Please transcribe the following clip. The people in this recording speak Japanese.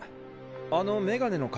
あのメガネの方は？